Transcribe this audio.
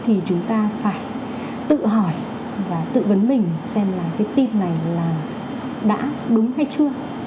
thì chúng ta phải tự hỏi và tự vấn mình xem là cái tin này là đã đúng hay chưa